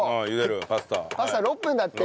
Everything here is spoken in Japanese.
パスタ６分だって。